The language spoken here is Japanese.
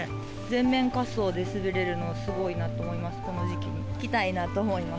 全面滑走で滑れるのはすごいなと思います、この時期に。